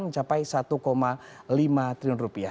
mencapai satu lima triliun rupiah